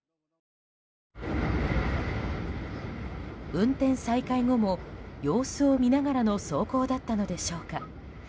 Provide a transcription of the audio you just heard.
運転再開後も様子を見ながらの走行だったのでしょうか。